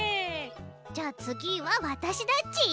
じゃあ次はわたしだち。